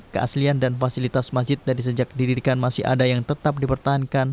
keaslian dan fasilitas masjid dari sejak didirikan masih ada yang tetap dipertahankan